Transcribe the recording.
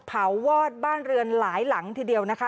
วอดบ้านเรือนหลายหลังทีเดียวนะคะ